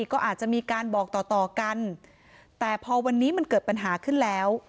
ก็อาจจะมีการบอกต่อต่อกันแต่พอวันนี้มันเกิดปัญหาขึ้นแล้ว